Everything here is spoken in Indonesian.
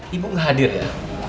ibu gak hadir ya